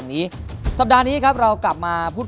มันเข้ามาเดี๋ยวกูตะปบ